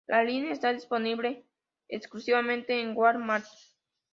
La línea está disponible exclusivamente en Wal-Mart.